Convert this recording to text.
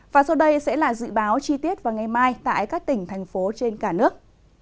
và sau đây sẽ là dự báo chi tiết vào ngày mai tại các tỉnh thành phố trên cả nước